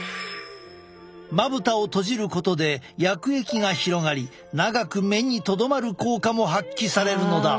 まぶたを閉じることで薬液が広がり長く目にとどまる効果も発揮されるのだ！